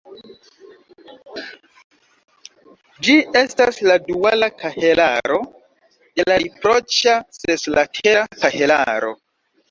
Ĝi estas la duala kahelaro de la riproĉa seslatera kahelaro.